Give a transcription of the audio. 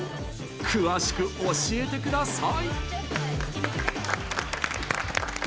詳しく教えてください。